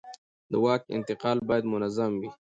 د واک انتقال باید منظم وي